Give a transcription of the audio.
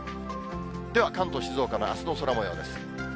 では関東、静岡のあすの空もようです。